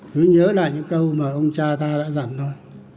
cứ nhớ lại những câu mà ông cha ta đã dặn thôi